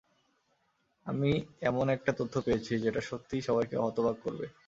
আমি এমন একটা তথ্য পেয়েছি, যেটা সত্যিই সবাইকে হতবাক করবে।